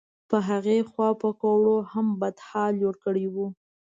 په هغې خوا پیکوړو هم بد حال جوړ کړی و.